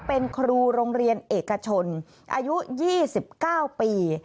เป็นครูโรงเรียนเอกชนอายุ๒๙ปี